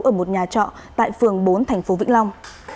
ở một nhà trọ tại phường bốn thành phố vĩnh long